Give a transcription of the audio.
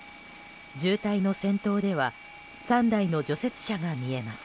渋滞の先頭では３台の除雪車が見えます。